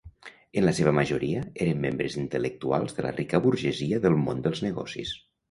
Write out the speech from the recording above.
En la seva majoria, eren membres intel·lectuals de la rica burgesia del món dels negocis.